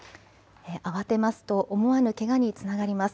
慌てますと思わぬけがにつながります。